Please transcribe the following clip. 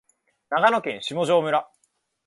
長野県下條村